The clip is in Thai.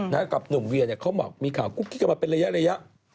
แล้วกับหนุ่มเวียนี่เขาบอกมีข่าวกุ๊บออกมาเป็นระยะ